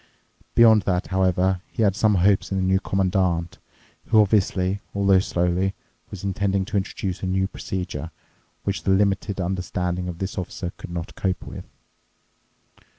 Beyond that, however, he had some hopes in the New Commandant, who obviously, although slowly, was intending to introduce a new procedure which the limited understanding of this Officer could not cope with.